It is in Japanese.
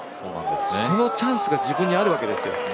そのチャンスが自分にあるわけですよ。